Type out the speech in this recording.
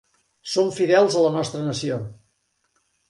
Som fidels a la nostra nació.